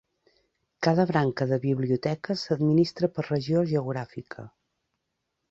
Cada branca de biblioteca s'administra per regió geogràfica.